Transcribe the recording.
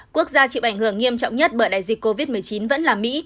quốc gia chịu ảnh hưởng nghiêm trọng nhất bởi đại dịch covid một mươi chín vẫn là mỹ